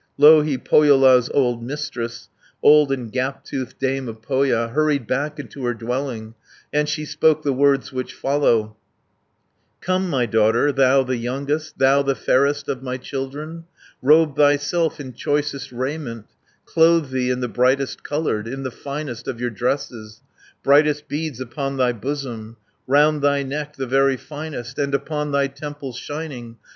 Louhi, Pohjola's old Mistress, Old and gap toothed dame of Pohja, Hurried back into her dwelling, And she spoke the words which follow: 220 "Come my daughter, thou the youngest, Thou the fairest of my children, Robe thyself in choicest raiment, Clothe thee in the brightest coloured, In the finest of your dresses, Brightest beads upon thy bosom, Round thy neck the very finest, And upon thy temples shining.